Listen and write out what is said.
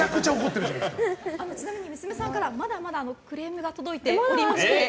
ちなみに娘さんからはまだまだクレームが届いております。